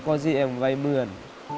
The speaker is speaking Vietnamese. có gì em vây mượn